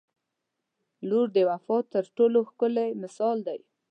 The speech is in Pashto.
• لور د وفا تر ټولو ښکلی مثال دی.